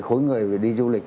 khối người về đi du lịch